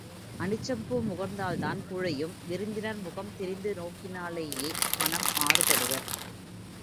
அனிச்சப்பூ முகர்ந்தால் தான் குழையும் விருந்தினர் முகம் திரிந்து நோக்கினாலேயே மனம் மாறுபடுவர்.